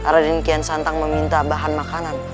raden kian santang meminta bahan makanan